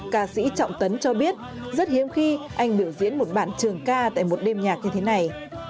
ca sĩ trọng tấn cho biết rất hiếm khi anh biểu diễn một bạn trường ca tại một đêm nhạc như thế này